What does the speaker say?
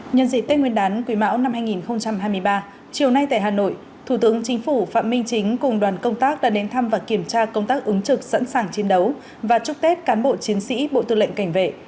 nhân dịp tết nguyên đán quý mão năm hai nghìn hai mươi ba chiều nay tại hà nội thủ tướng chính phủ phạm minh chính cùng đoàn công tác đã đến thăm và kiểm tra công tác ứng trực sẵn sàng chiến đấu và chúc tết cán bộ chiến sĩ bộ tư lệnh cảnh vệ